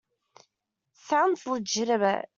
Sounds legitimate.